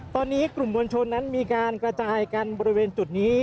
ตอนนี้กลุ่มมวลชนนั้นมีการกระจายกันบริเวณจุดนี้